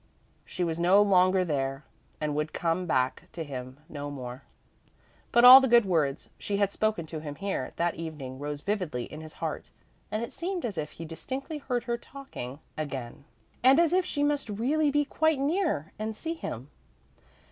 She was no longer there, and would come back to him no more. But all the good words she had spoken to him here that evening rose vividly in his heart, and it seemed as if he distinctly heard her talking again, and as if she must really be quite near and see him.